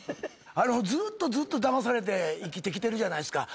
ずーっとずーっとだまされて生きてきてるじゃないですか。